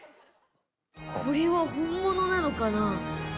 これは本物なのかな？